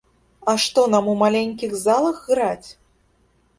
А што нам у маленькіх залах граць!?